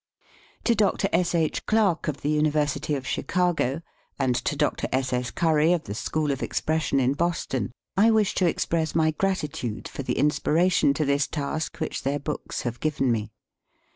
To Dr. S. H. Clark of the University of Chicago, and to Dr. S. S. Curry of the School of Expression in Boston, I wish to express my gratitude for the inspiration to this task, which their books have given me.